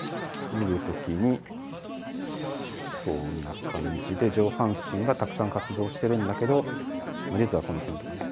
脱ぐ時にそんな感じで上半身がたくさん活動してるんだけど実はこの辺とかね